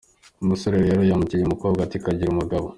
Umusore rero yaramukije umukobwa ati “kagire umugabo”.